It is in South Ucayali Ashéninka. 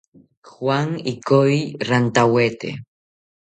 Juan ikoyi rantawete